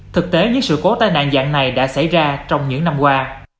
thực tế những sự cố tai nạn dạng này đã xảy ra trong những năm qua